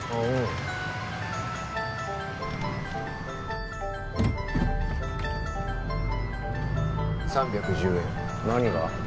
うん３１０円何が？